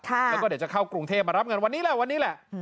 แล้วก็เดี๋ยวจะเข้ากรุงเทพมารับเงินวันนี้แหละวันนี้แหละ